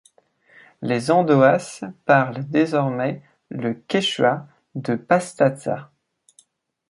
Les Andoas parlent désormais le quechua de Pastaza.